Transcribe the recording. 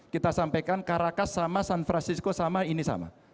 kita sampaikan caracas sama san francisco sama ini sama